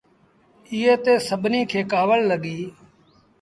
ايئي تي سڀنيٚ کي ڪآوڙ لڳيٚ۔